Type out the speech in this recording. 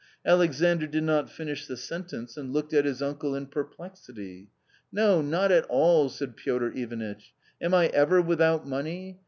Alexandr did not finish the sentence, and looked at his uncle in perplexity. " No, not at all !" said Piotr Ivanitch. " Am I ever with out money